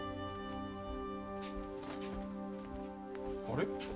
あれ？